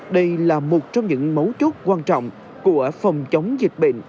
đây là một trong những mấu chốt quan trọng của phòng chống dịch bệnh